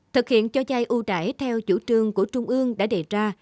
thực hiện cho vay ưu đải theo chủ trương của trung ương đã đề ra